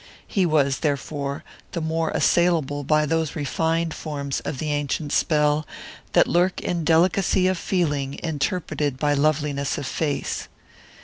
He was therefore the more assailable by those refined forms of the ancient spell that lurk in delicacy of feeling interpreted by loveliness of face.